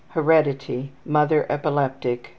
Heredity: Mother epileptic.